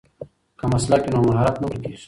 که مسلک وي نو مهارت نه ورکېږي.